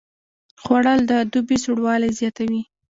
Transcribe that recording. خوړل د دوبي سوړوالی زیاتوي